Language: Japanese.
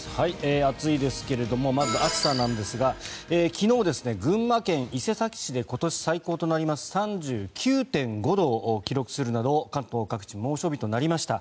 暑いですけれどもまず暑さなんですが昨日、群馬県伊勢崎市で今年最高となります３９．５度を記録するなど関東各地、猛暑日となりました。